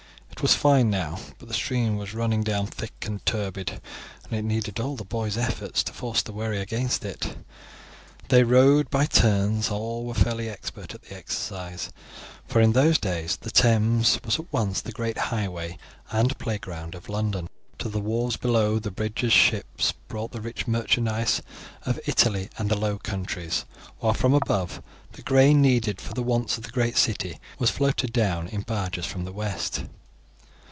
It was fine now, but the stream was running down thick and turbid, and it needed all the boys' efforts to force the wherry against it. They rowed by turns; all were fairly expert at the exercise, for in those days the Thames was at once the great highway and playground of London. To the wharves below the bridge ships brought the rich merchandise of Italy and the Low Countries; while from above, the grain, needed for the wants of the great city was floated down in barges from the west.